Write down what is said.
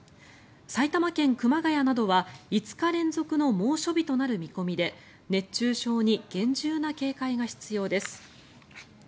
埼玉県熊谷などは５日連続の猛暑日となる見込みで熱中症に厳重な警戒が必要です。